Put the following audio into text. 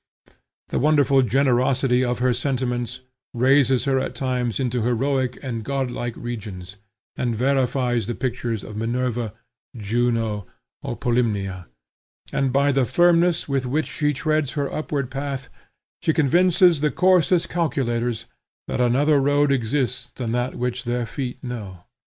The wonderful generosity of her sentiments raises her at times into heroical and godlike regions, and verifies the pictures of Minerva, Juno, or Polymnia; and by the firmness with which she treads her upward path, she convinces the coarsest calculators that another road exists than that which their feet know.